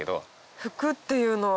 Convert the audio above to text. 「ふく」っていうのは？